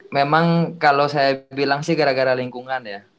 memang kalau saya bilang sih gara gara lingkungan ya